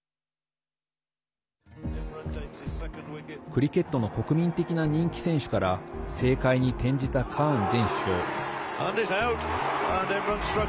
クリケットの国民的な人気選手から政界に転じたカーン前首相。